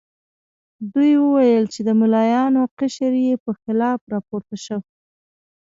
دوی وویل چې د ملایانو قشر یې په خلاف راپورته شو.